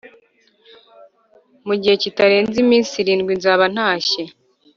Mu gihe kitarenze iminsi irindwi nzaba ntashye